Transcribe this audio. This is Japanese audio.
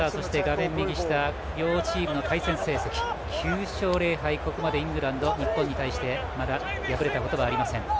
両チームの対戦成績９勝０敗、ここまでイングランド日本に対して破れたことはありません。